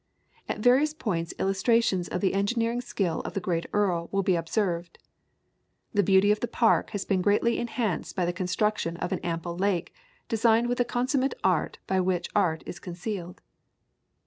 At various points illustrations of the engineering skill of the great Earl will be observed. The beauty of the park has been greatly enhanced by the construction of an ample lake, designed with the consummate art by which art is concealed.